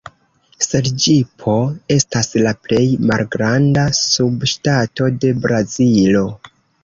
Serĝipo estas la plej malgranda subŝtato de Brazilo.